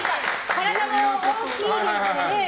体も大きいですしね。